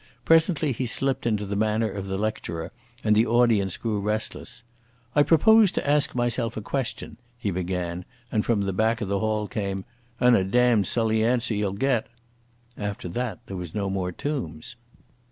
Presently he slipped into the manner of the lecturer, and the audience grew restless. "I propose to ask myself a question—" he began, and from the back of the hall came—"And a damned sully answer ye'll get." After that there was no more Tombs.